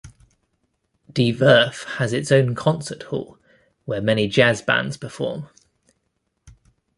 De Werf has its own concert hall where many jazz bands perform.